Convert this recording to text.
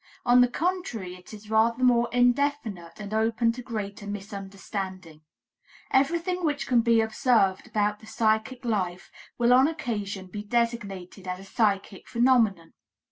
On the contrary, it is rather more indefinite and open to greater misunderstanding. Everything which can be observed about the psychic life will on occasion be designated as a psychic phenomenon.